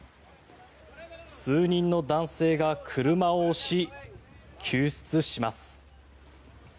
数人の男性が車を押し救出します。